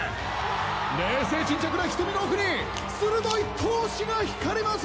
冷静沈着な瞳の奥に鋭い闘志が光ります！